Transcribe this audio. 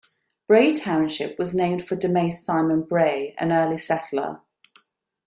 Bray Township was named for Damase Simon Bray, an early settler.